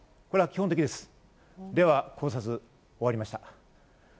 これは基本的です。